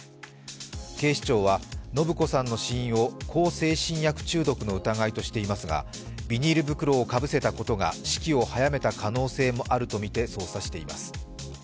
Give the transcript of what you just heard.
警視庁は延子さんの死因を向精神薬中毒の疑いとしていますがビニール袋をかぶせたことが死期を早めた可能性もあるとみて捜査しています。